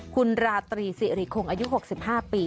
คุณราตรีสิริคงอายุ๖๕ปี